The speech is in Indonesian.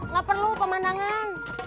gak perlu pemandangan